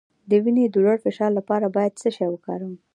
د وینې د لوړ فشار لپاره باید څه شی وکاروم؟